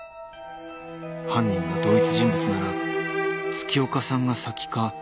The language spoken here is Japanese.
［犯人が同一人物なら月岡さんが先か？